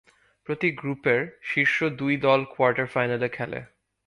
প্রতি গ্রুপের শীর্ষ দুই দল কোয়ার্টার-ফাইনালে খেলে।